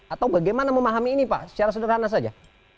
atau bagaimana memahami ini pak secara sederhana saja